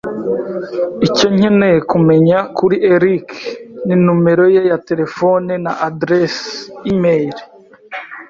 Icyo nkeneye kumenya kuri eric ni numero ye ya terefone na aderesi imeri.